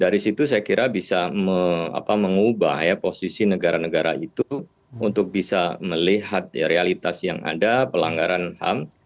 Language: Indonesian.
dari situ saya kira bisa mengubah posisi negara negara itu untuk bisa melihat realitas yang ada pelanggaran ham